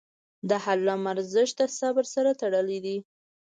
د حلم ارزښت د صبر سره تړلی دی.